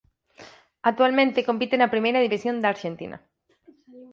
Actualmente compite na Primeira División da Arxentina.